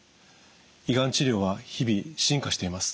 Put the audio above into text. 胃がん治療は日々進化しています。